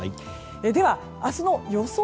では、明日の予想